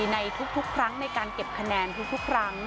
ในทุกครั้งในการเก็บคะแนนทุกครั้ง